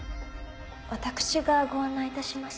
私がご案内いたします。